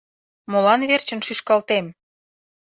Молан верчын шӱшкалтем?